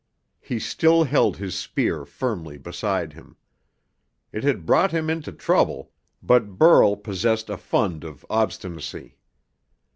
He still held his spear firmly beside him. It had brought him into trouble, but Burl possessed a fund of obstinacy.